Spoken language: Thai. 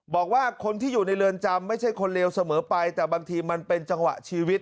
บอกว่าคนที่อยู่ในเรือนจำไม่ใช่คนเลวเสมอไปแต่บางทีมันเป็นจังหวะชีวิต